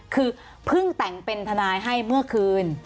คือเพิ่งแต่งเป็นทนายให้เมื่อคืน